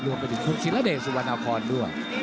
รวมไปถึงคุณศิลเดชสุวรรณพรด้วย